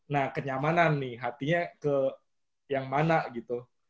nah kenyamanan nih hatinya ke yang mana gitu